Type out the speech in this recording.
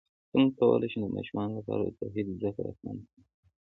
څنګه کولی شم د ماشومانو لپاره د توحید زدکړه اسانه کړم